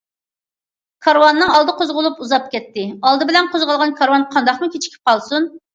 كارۋاننىڭ ئالدى قوزغىلىپ ئۇزاپ كەتتى، ئالدى بىلەن قوزغالغان كارۋان قانداقمۇ كېچىكىپ قالسۇن؟!